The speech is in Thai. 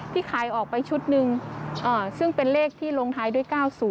ขายออกไปชุดหนึ่งซึ่งเป็นเลขที่ลงท้ายด้วย๙๐